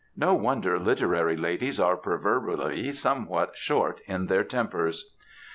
No wonder literary ladies are proverbially somewhat short in their tempers